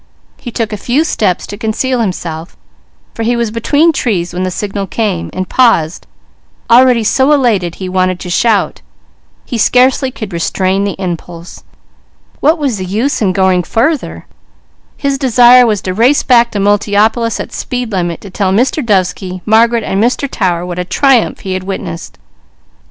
He took a few steps to conceal himself, for he was between trees when the signal came, and paused, already so elated he wanted to shout; he scarcely could restrain the impulse. What was the use in going farther? His desire was to race back to Multiopolis at speed limit to tell Mr. Dovesky, Margaret, and Mr. Tower what a triumph he had witnessed.